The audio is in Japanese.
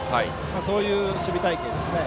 そういう守備隊形ですね。